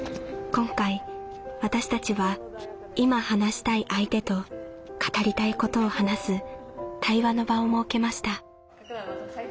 今回私たちは「今話したい相手」と「語りたいこと」を話す対話の場を設けました。